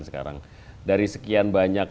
sekarang dari sekian banyak